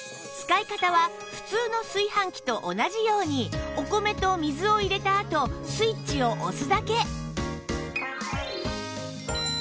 使い方は普通の炊飯器と同じようにお米と水を入れたあとスイッチを押すだけ